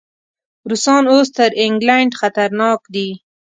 روسان اوس تر انګلینډ خطرناک دي.